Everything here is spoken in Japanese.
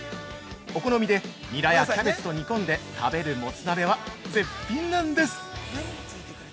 お好みでニラやキャベツと煮込んで食べるモツ鍋は絶品なんです！